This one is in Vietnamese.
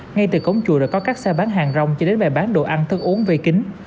ngay từ cổng chùa đã có các xe bán hàng rong cho đến bày bán đồ ăn thức uống vi kính